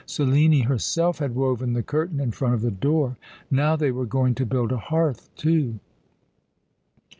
Selene herself had woven the curtain in front of the door. Now they were going to build a hearth too.